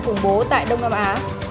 phủng bố tại đông nam á